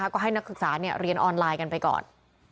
ก็ให้นักศึกษาเรียนออนไลน์กันไปก่อน